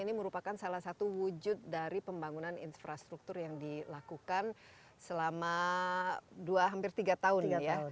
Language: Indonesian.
ini merupakan salah satu wujud dari pembangunan infrastruktur yang dilakukan selama dua hampir tiga tahun ya